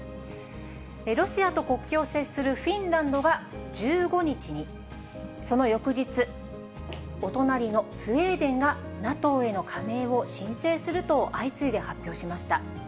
ロシアと国境を接するフィンランドが１５日に、その翌日、お隣のスウェーデンがＮＡＴＯへの加盟を申請すると相次いで発表しました。